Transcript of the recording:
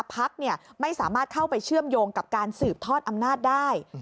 พักไม่สามารถเข้าไปเชื่อมโยงกับการสืบทอดอำนาจได้